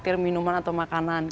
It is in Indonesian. terang minuman atau makanan